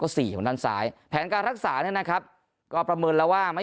สี่ของด้านซ้ายแผนการรักษาเนี่ยนะครับก็ประเมินแล้วว่าไม่